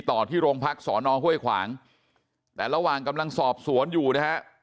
ต่อที่โรงพักสอนอห้วยขวางแต่ระหว่างกำลังสอบสวนอยู่นะฮะ